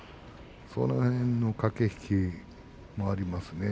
その辺の駆け引きもありますね。